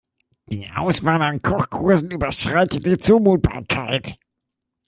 Die Auswahl an Kochkursen überschreitet die Zumutbarkeit.